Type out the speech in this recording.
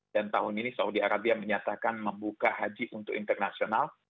dan tahun ini saudi arabia menyatakan membuka haji untuk internasional